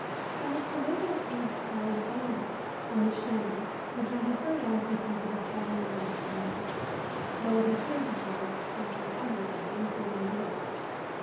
I was to live at a place called Banagher, on the Shannon, which I had heard of because of its having once been conquered, though it had heretofore conquered everything, including the devil.